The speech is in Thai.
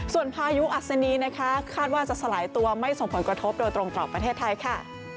ส่วนพายุอัศนีนะคะคาดว่าจะสลายตัวไม่ส่งผลกระทบโดยตรงต่อประเทศไทยค่ะ